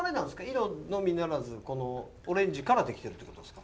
色のみならずこのオレンジから出来てるってことですか？